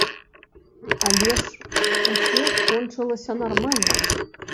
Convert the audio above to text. Але ж усё скончылася нармальна.